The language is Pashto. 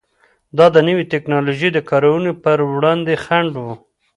دا د نوې ټکنالوژۍ د کارونې پر وړاندې خنډ و.